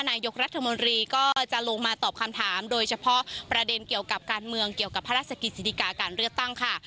นายกรัฐมนตรีก็จะลงมาตอบคำถามโดยเฉพาะประเด็นเกี่ยวกับการเมืองเกี่ยวกับพระราชกิจศิริกาการเลือกตั้งค่ะ